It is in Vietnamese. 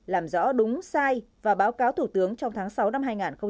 làm rõ đúng sai và báo cáo thủ tướng trong tháng sáu năm hai nghìn một mươi chín